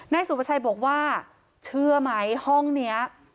นายสุภาชัยบอกว่าเชื่อไหมห้องนี้